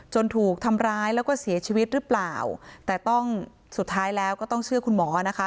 ถูกทำร้ายแล้วก็เสียชีวิตหรือเปล่าแต่ต้องสุดท้ายแล้วก็ต้องเชื่อคุณหมอนะคะ